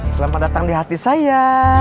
selamat datang di hati saya